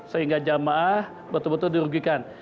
sehingga jamaah betul betul dirugikan